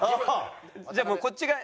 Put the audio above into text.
じゃあもうこっちが。